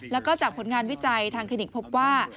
แล้วก็จากผลงานวิจัยทางคลินิกพบว่า